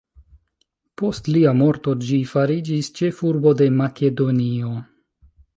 Post lia morto ĝi fariĝis ĉefurbo de Makedonio.